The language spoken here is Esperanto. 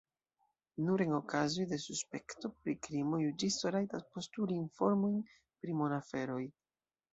Nur en okazoj de suspekto pri krimo juĝisto rajtas postuli informojn pri monaferoj.